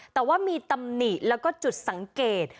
แต่ว่ามีตำหนิแล้วก็จุดสังเกต